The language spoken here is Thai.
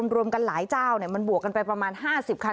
รวมกันหลายเจ้ามันบวกกันไปประมาณ๕๐คัน